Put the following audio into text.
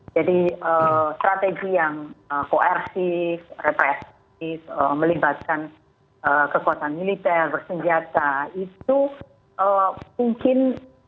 jadi strategi yang koersif represif melibatkan kekuatan militer bersenjata itu mungkin